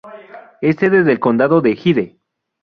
Es sede del condado de Hyde.